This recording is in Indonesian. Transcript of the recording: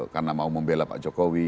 karena mau membela pak jokowi